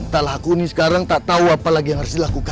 entahlah aku ini sekarang tak tahu apa lagi yang harus dilakukan